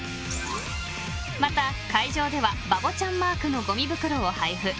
また、会場ではバボちゃんマークのゴミ袋を配布。